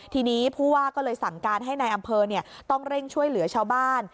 ทีนี้ผู้ว่าก็เลยสั่งการให้นายอำเภอต้องเร่งช่วยเหลือชาวบ้าน